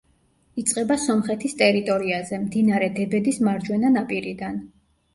იწყება სომხეთის ტერიტორიაზე, მდინარე დებედის მარჯვენა ნაპირიდან.